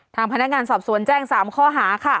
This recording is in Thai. ทางพนักงานสอบสวนแจ้ง๓ข้อหาค่ะ